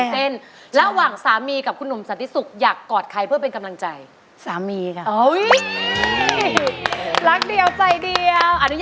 เต้นระหว่างสามีกับคุณหนุ่มสันติสุขอยากกอดใครเพื่อเป็นกำลังใจสามีค่ะ